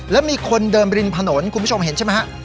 แล้วมีคนเดิมริมถนนคุณผู้ชมเห็นใช่ไหมฮะ